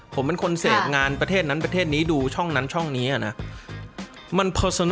ผมเป็นคนเสพงานประเทศนั้นประเทศนี้ดูช่องนั้นช่องนี้นะ